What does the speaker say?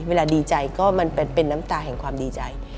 ดีใจก็มันเป็นน้ำตาแห่งความดีใจ